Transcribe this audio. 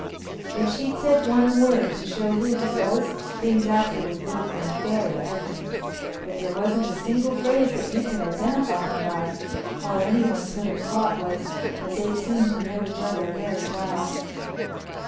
If she'd said one word to show who he was things afterward would have been very different, but there wasn't a single phrase that you could identify him by—all anyone could have caught was that they seemed to know each other very well.